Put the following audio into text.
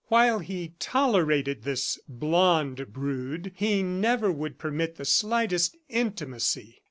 While he tolerated this blond brood, he never would permit the slightest intimacy.